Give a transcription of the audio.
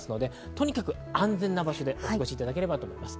とにかく安全な場所でお過ごしいただきたいです。